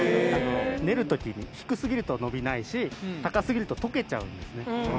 練る時に低過ぎると伸びないし高過ぎると溶けちゃうんですね